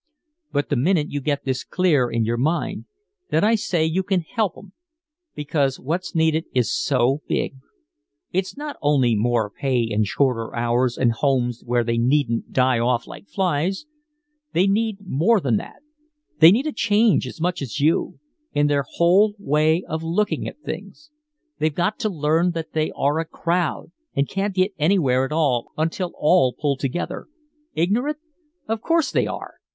"But the minute you get this clear in your mind, then I say you can help 'em. Because what's needed is so big. It's not only more pay and shorter hours and homes where they needn't die off like flies they need more than that they need a change as much as you in their whole way of looking at things. They've got to learn that they are a crowd and can't get anywhere at all until all pull together. Ignorant? Of course they are!